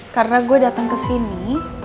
karena gue datang ke sini